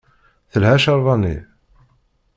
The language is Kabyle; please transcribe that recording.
Telha cceṛba-nni?